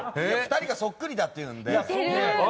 ２人がそっくりだっていうので。